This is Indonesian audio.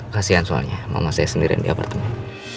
kasian soalnya mama saya sendirian di apartemen